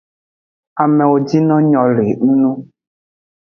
Amewo jino nyo le ngu.